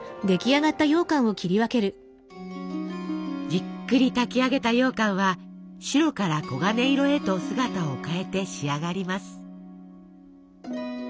じっくり炊き上げたようかんは白から黄金色へと姿を変えて仕上がります。